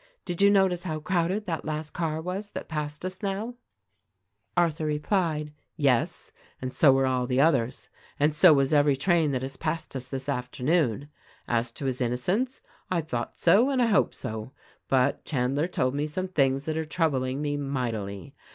Did you notice how crowded that last car was that passed us now ?" Arthur replied : "Yes ; and so were all the others ; and so was every train that has passed us this afternoon. As to his innocence, I thought so and I hope so ; but Chandler told me some things that are troubling me mightily.